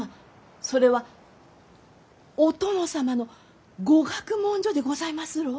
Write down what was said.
それはお殿様の御学問所でございますろう？